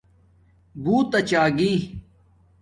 بݸت اچاگی